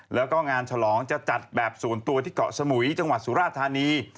แล้วก็งานฉลองจะจัดแบบส่วนตัวที่เกาะสมุยจังหวัดสุราธานี